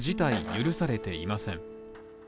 許されていません。